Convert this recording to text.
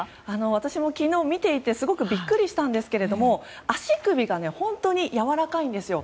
私も昨日見ていてすごくビックリしたんですけど足首が本当にやわらかいんですよ。